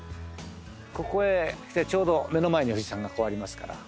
ここへ来てちょうど目の前に富士山がこうありますから。